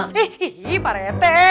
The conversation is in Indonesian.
ih ih pak rete